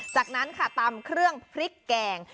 จากนั้นตามเครื่องพริกแกง